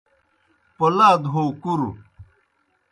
پولاد ہو کُروْ